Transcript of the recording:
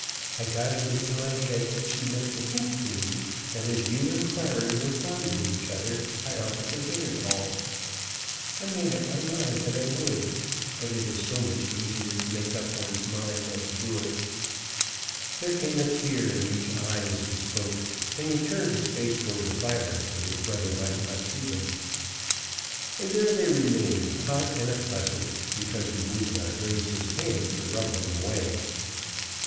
I got it into my head that she meant to hint to me that as you and Clary were fond of each other, I ought to forget it all. I made up my mind that I would; but it is so much easier to make up one's mind than to do it." There came a tear in each eye as he spoke, and he turned his face towards the fire that his brother might not see them. And there they remained hot and oppressive, because he would not raise his hand to rub them away.